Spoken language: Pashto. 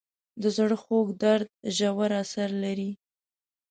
د زړه خوږ درد ژور اثر لري.